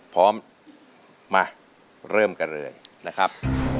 พร้อมมาเริ่มกันเลยนะครับ